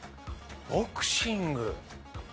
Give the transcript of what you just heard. ボクシング。